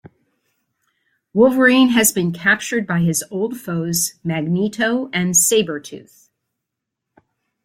Wolverine has been captured by his old foes Magneto and Sabretooth.